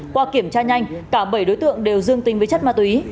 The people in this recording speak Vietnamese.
qua kiểm tra nhanh cả bảy đối tượng đều dương tính với chất ma túy